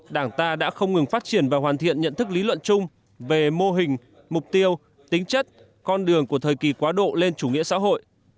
đảng ta đã không ngừng phát triển và hoàn thiện nhận thức lý luận chung về mô hình mục tiêu tính chất con đường của thời kỳ quá độ lên chủ nghĩa xã hội